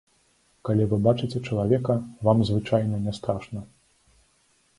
Калі вы бачыце чалавека, вам звычайна не страшна.